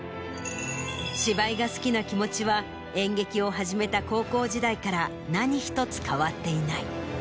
芝居が好きな気持ちは演劇を始めた高校時代から何ひとつ変わっていない。